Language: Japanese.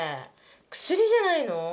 薬じゃないの？